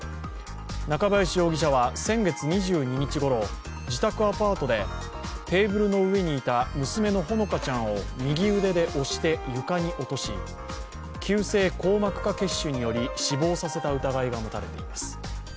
中林容疑者は先月２２日ごろ自宅アパートでテーブルの上にいた娘のほのかちゃんを右腕で押して床に落とし急性硬膜下血腫により死亡させた疑いが持たれています。